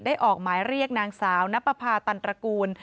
ออกหมายเรียกนางสาวนับประพาตันตระกูล